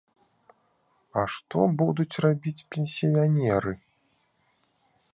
А што будуць рабіць пенсіянеры?